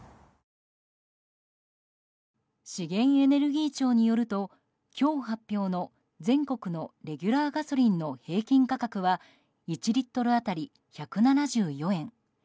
資源エネルギー庁によると今日発表の全国のレギュラーガソリンの平均価格は１リットル当たり１７４円。